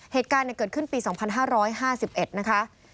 เหตุการณ์เกิดขึ้นปี๒๕๕๑นะคะ